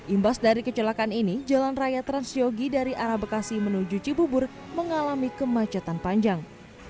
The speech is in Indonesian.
imbas dari kecelakaan ini jalan raya transyogi dari arah bekasi menuju cibubur mengalami kemacetan panjang